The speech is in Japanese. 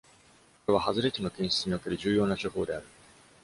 これは、外れ値の検出における重要な手法である。